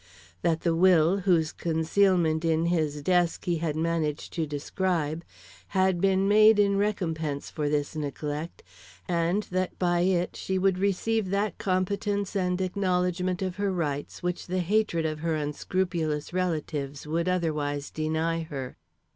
That the will, whose concealment in his desk he had managed to describe, had been made in recompense for this neglect, and that by it she would receive that competence and acknowledgment of her rights which the hatred of her unscrupulous relatives would otherwise deny her.